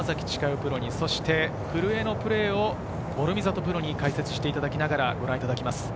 プロに古江のプレーを諸見里プロに解説していただきながらご覧いただきます。